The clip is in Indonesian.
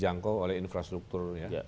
jangkau oleh infrastruktur